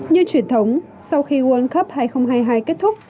như truyền thống sau khi world cup hai nghìn hai mươi hai kết thúc